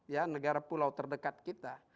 ya negara pulau terdekat kita